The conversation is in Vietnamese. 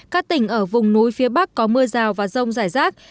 các tỉnh ở vùng núi phía bắc có mưa rào và rông rải rác